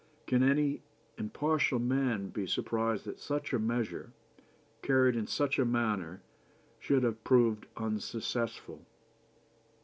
Can any impartial man be surprised that such a measure, carried in such a manner, should have proved unsuccessful?"